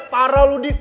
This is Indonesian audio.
parah lo di